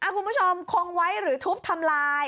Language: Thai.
คุณผู้ชมคงไว้หรือทุบทำลาย